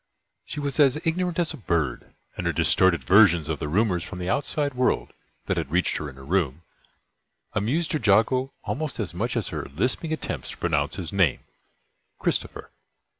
She was as ignorant as a bird; and her distorted versions of the rumors from the outside world that had reached her in her room, amused Trejago almost as much as her lisping attempts to pronounce his name "Christopher."